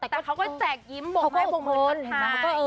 ผมก็ยิ้มออกมาเอาบ่งมือ